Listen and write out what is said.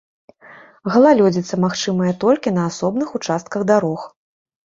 Галалёдзіца магчымая толькі на асобных участках дарог.